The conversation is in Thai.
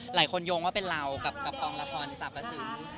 หลายคนโยงว่าเป็นเรากับกองละครสาปสูร